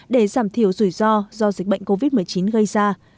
để giảm thiểu rủi ro do dịch bệnh covid một mươi chín gây ra